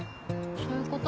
そういうこと。